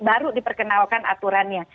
baru diperkenalkan aturannya